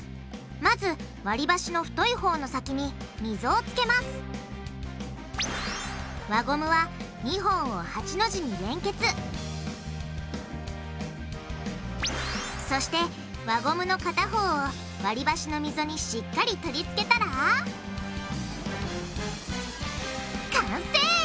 まず割りばしの太いほうの先に溝をつけます輪ゴムは２本を８の字に連結そして輪ゴムの片方を割りばしの溝にしっかり取り付けたら完成！